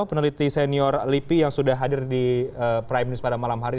peneliti senior lipi yang sudah hadir di prime news pada malam hari